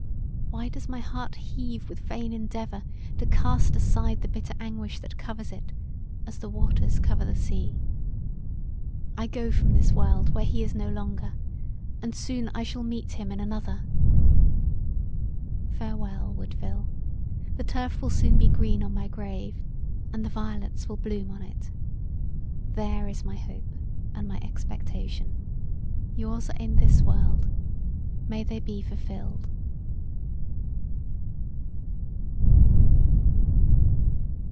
Why my does my heart heave with vain endeavour to cast aside the bitter anguish that covers it "as the waters cover the sea." I go from this world where he is no longer and soon I shall meet him in another. Farewell, Woodville, the turf will soon be green on my grave; and the violets will bloom on it. There is my hope and my expectation; your's are in this world; may they be fulfilled.